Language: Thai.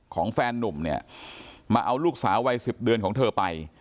แฟนนุ่มเนี่ยมาเอาลูกสาววัย๑๐เดือนของเธอไป